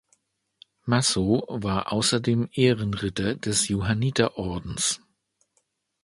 Massow war außerdem Ehrenritter des Johanniterordens.